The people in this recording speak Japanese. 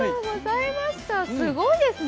すごいですね。